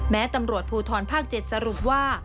ตำรวจภูทรภาค๗สรุปว่า